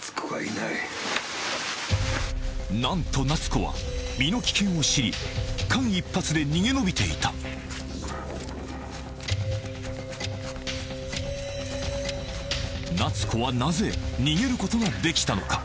何と夏子は身の危険を知り間一髪で逃げ延びていた夏子はなぜ逃げることができたのか？